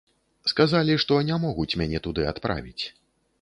Сказалі, што не могуць мяне туды адправіць.